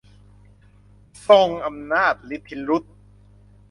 ทรงอำนาจฤทธิรุทธ์